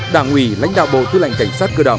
đảng ủy lãnh đạo bộ thứ lệnh cảnh sát cơ đồng